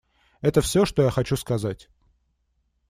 Это все, что я хочу сказать.